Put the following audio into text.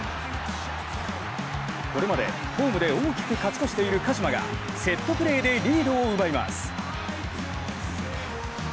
これまでホームで大きく勝ち越している鹿島がセットプレーでリードを奪います。